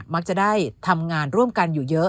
มักจะได้ทำงานร่วมกันอยู่เยอะ